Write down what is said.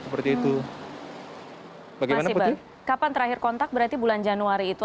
mas iqbal kapan terakhir kontak berarti bulan januari itu